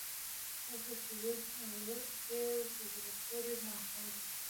هرڅه چې و ډېر په زړه پورې ماحول و.